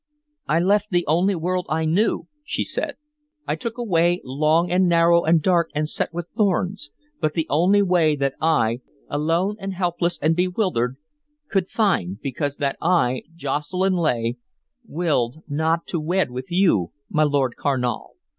"I left the only world I knew," she said. "I took a way low and narrow and dark and set with thorns, but the only way that I alone and helpless and bewildered could find, because that I, Jocelyn Leigh, willed not to wed with you, my Lord Carnal.